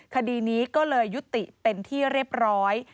คดีนี้ก็เลยยุติเป็นที่เรียบร้อย